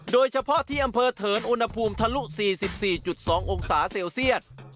โดยเฉพาะที่อำเภอเถินอุณหภูมิทะลุ๔๔๒องศาเซลเซียต